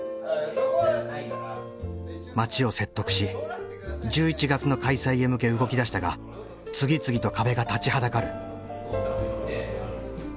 町を説得し１１月の開催へ向け動きだしたが次々と壁が立ちはだかる。